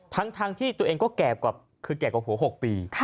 ทั้งที่ตัวเองก็แก่คือแก่กว่าผัว๖ปี